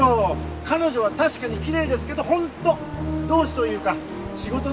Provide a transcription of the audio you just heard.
彼女は確かにきれいですけど本当同志というか仕事仲間ですから。